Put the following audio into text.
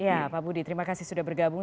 ya pak budi terima kasih sudah bergabung